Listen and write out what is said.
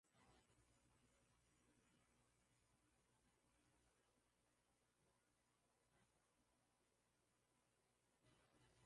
Maiti huliwa na tumbusi na fisi wanaojulikana kama Ondili ama Olngojine